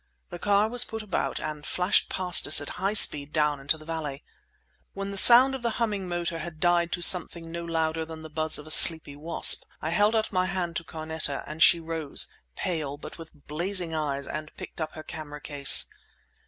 The car was put about, and flashed past us at high speed down into the valley. When the sound of the humming motor had died to something no louder than the buzz of a sleepy wasp, I held out my hand to Carneta and she rose, pale, but with blazing eyes, and picked up her camera case.